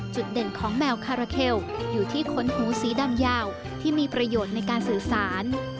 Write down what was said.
จุดเด่นของแมวคาราเคลอยู่ที่ขนหูสีดำยาวที่มีประโยชน์ในการสื่อสาร